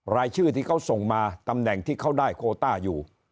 รายชื่อที่เขาส่งมาตำแหน่งที่เขาได้โคต้าอยู่